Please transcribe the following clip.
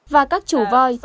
và các chủ voi